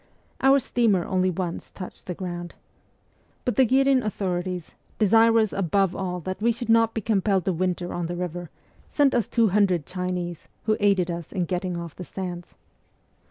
Our steamer only once touched the ground. But the Ghirin authorities, desirous above all that w T e should not be compelled to winter on the river, sent us two hundred Chinese, who aided us in getting off the sands.